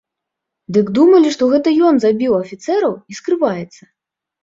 Дык думалі, што гэта ён забіў афіцэраў і скрываецца.